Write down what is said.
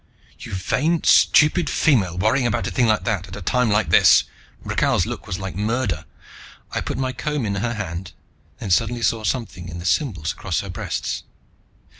"You vain, stupid female, worrying about a thing like that at a time like this!" Rakhal's look was like murder. I put my comb in her hand, then suddenly saw something in the symbols across her breasts.